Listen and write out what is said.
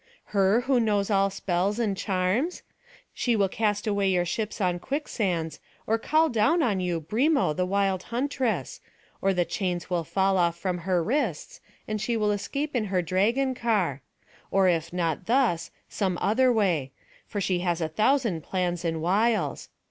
her, who knows all spells and charms? She will cast away your ships on quicksands, or call down on you Brimo the wild huntress; or the chains will fall from off her wrists, and she will escape in her dragon car; or if not thus, some other way; for she has a thousand plans and wiles.